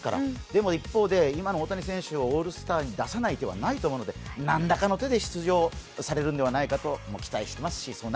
でも一方で今の大谷選手をオールスターに出さない手はないと思うので何らかの手で出場されるのではないかと期待しています。